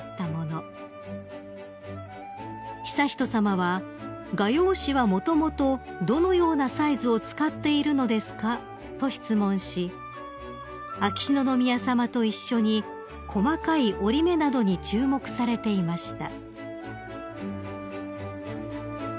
［悠仁さまは「画用紙はもともとどのようなサイズを使っているのですか？」と質問し秋篠宮さまと一緒に細かい折り目などに注目されていました］